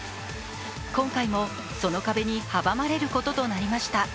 今回もその壁に阻まれることとなりました。